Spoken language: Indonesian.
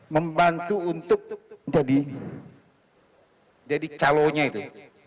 membantu untuk jadi calonnya itu